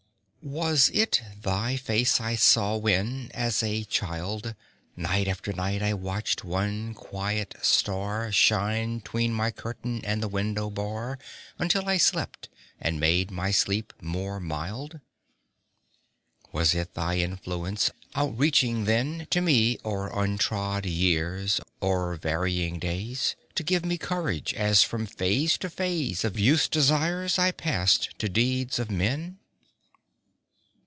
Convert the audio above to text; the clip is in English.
Was it thy face I saw when, as a child, Night after night I watched one quiet star Shine 'tween my curtain and the window bar Until I slept, and made my sleep more mild? Was it thy influence outreaching then To me, o'er untrod years, o'er varying days, To give me courage, as from phase to phase Of youth's desires I passed to deeds of men?